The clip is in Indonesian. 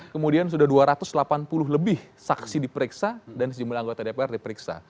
kemudian sudah dua ratus delapan puluh lebih saksi diperiksa dan sejumlah anggota dpr diperiksa